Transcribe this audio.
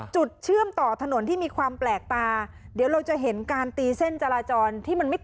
เชื่อมต่อถนนที่มีความแปลกตาเดี๋ยวเราจะเห็นการตีเส้นจราจรที่มันไม่